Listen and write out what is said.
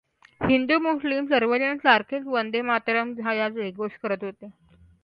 हिदू मुस्लिम सर्वजण सारखेच वंदे मातरम् चा जयघोष करीत होते.